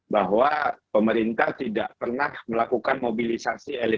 bahwa pemerintah tidak pernah melakukan mobilisasi